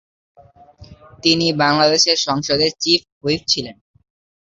তিনি বাংলাদেশের সংসদে চিফ হুইপ ছিলেন।